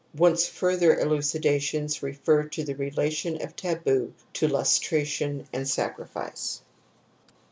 Wundt's further elucidations refer to the relation of taboo to lustration and sacrifice.